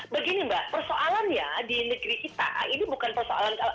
begini mbak persoalannya di negeri kita ini bukan persoalan